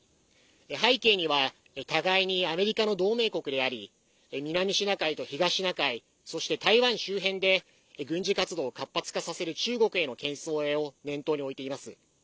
背景には、互いにアメリカの同盟国であり南シナ海と東シナ海そして、台湾周辺で軍事活動を活発化させる中国へのけん制を念頭に置いています。